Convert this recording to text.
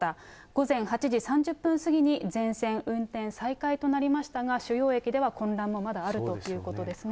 午前８時３０分過ぎに全線運転再開となりましたが、主要駅では混乱もまだあるということですね。